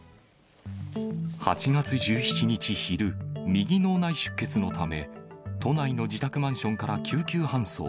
８月１７日昼、右脳内出血のため、都内の自宅マンションから救急搬送。